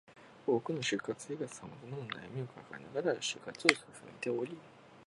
多くの就活生が様々な悩みを抱えながら就活を進めており